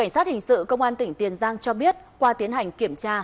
sát hình sự công an tỉnh tiền giang cho biết qua tiến hành kiểm tra